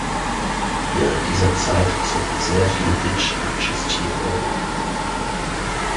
Während dieser Zeit zogen sehr viele Menschen nach Tschistyje Bory.